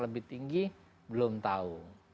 lebih tinggi belum tahu